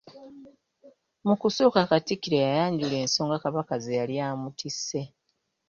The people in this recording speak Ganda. Mu kusooka Katikkiro yayanjula ensonga Kabaka ze yali amutisse.